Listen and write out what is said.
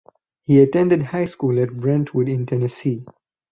He attended high school at Brentwood in Tennessee.